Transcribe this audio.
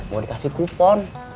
mau dikasih kupon